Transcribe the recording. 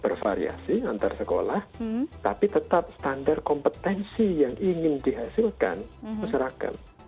bervariasi antar sekolah tapi tetap standar kompetensi yang ingin dihasilkan masyarakat